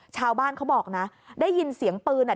ชาวบ้านเขาบอกนะได้ยินเสียงปืนอ่ะ